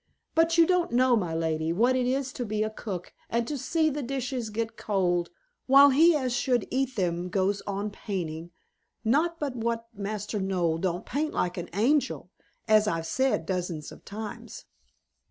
But you don't know, my lady, what it is to be a cook, and to see the dishes get cold, while he as should eat them goes on painting, not but what Master Noel don't paint like an angel, as I've said dozens of times."